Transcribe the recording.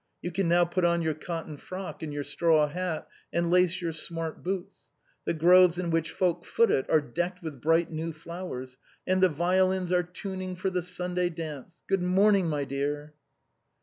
You can now put on your cotton frock and your straw hat, and lace your smart boots; the groves in which folk foot it are decked with bright new flowers, and the violins are tuning for the Sunday dance. Good morning, my dear